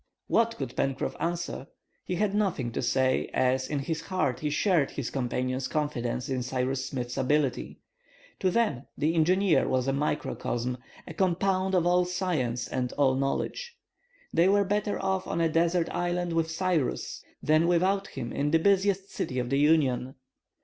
What could Pencroff answer? He had nothing to say, as, in his heart, he shared his companion's confidence in Cyrus Smith's ability. To them the engineer was a microcosm, a compound of all science and all knowledge. They were better off on a desert island with Cyrus than without him in the busiest city of the Union.